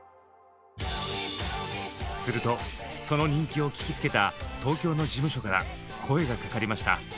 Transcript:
するとその人気を聞きつけた東京の事務所から声が掛かりました。